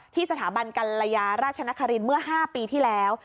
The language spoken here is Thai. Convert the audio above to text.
สถาบันกัลยาราชนครินเมื่อ๕ปีที่แล้ว